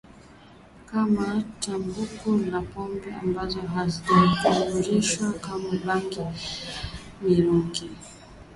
kama tumbaku na pombe ambazo hazijaruhusiwa kama bangi mirungi